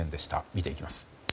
見ていきます。